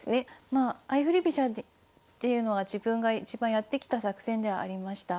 まあ相振り飛車っていうのは自分がいちばんやってきた作戦ではありました。